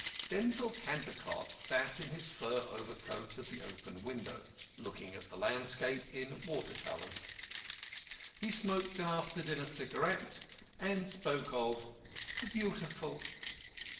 Denzil Cantercot sat in his fur overcoat at the open window, looking at the landscape in watercolours. He smoked an after dinner cigarette, and spoke of the Beautiful.